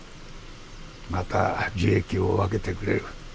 また樹液を分けてくれる。